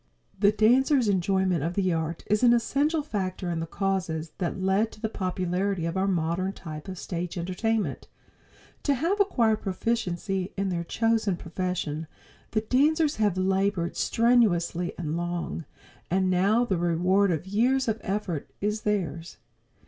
The dancers' enjoyment of the art is an essential factor in the causes that lead to the popularity of our modern type of stage entertainment. To have acquired proficiency in their chosen profession the dancers have labored strenuously and long, and now the reward of years of effort is theirs.